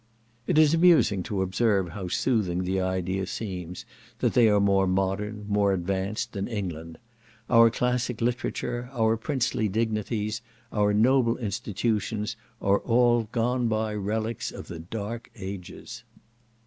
It is amusing to observe how soothing the idea seems, that they are more modern, more advanced than England. Our classic literature, our princely dignities, our noble institutions, are all gone by relics of the dark ages.